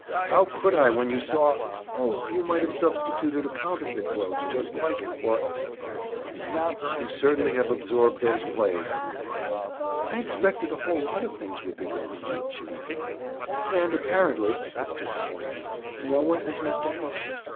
"How could I, when you saw—" "Oh, you might have substituted a counterfeit brooch just like it for—" Bob groaned. "You certainly have absorbed those plays," he remarked. "I expected a whole lot of things would be gone," she went on, "and, apparently," with disappointment, "no one has missed anything.